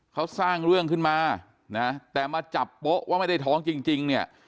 เขาสร้างเรื่องขึ้นมานะแต่มาจับโป๊ะว่าไม่ได้ท้องจริงเนี่ย